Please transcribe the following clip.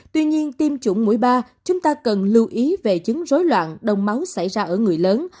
tuy nhiên tiêm chủng mũi ba chúng ta cần lưu ý về chứng rối loạn đông máu xảy ra ở người lớn